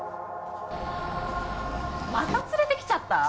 また連れてきちゃった？